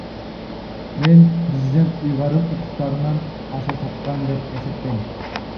Мен президент ыйгарым укуктарынан аша чапкан деп эсептейм.